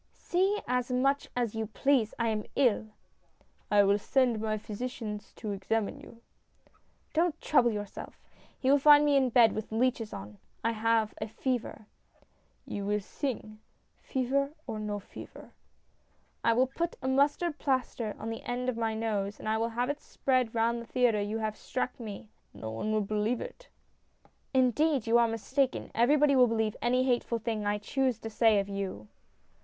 " See as much as you please. I am ill !"" I will send my physician to examine you." "Don't trouble yourself. He will find me in bed with leeches on. I have a fever." " You will sing, fever or no fever." " I will put a mustard plaster on the end of my nose, and I will have it spread round the theatre that you struck me !" "No one wiU believe it." " Indeed, you are mistaken. Everybody will believe any hateful thing I choose to say of you."